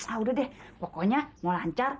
ah udah deh pokoknya mau lancar